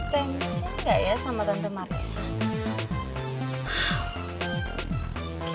thanks nya enggak ya sama tante marissa